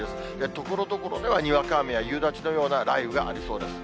ところどころではにわか雨や夕立のような雷雨がありそうです。